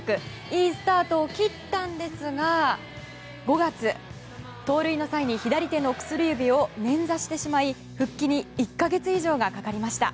いいスタートを切ったんですが５月、盗塁の際に左手の薬指を捻挫してしまい、復帰に１か月以上がかかりました。